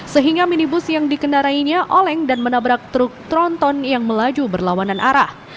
sehingga minibus yang dikendarainya oleng dan menabrak truk tronton yang melaju berlawanan arah